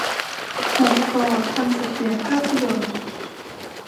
หจก.ธัญเสถียรภาพยนตร์